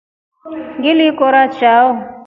Ngili kora chao.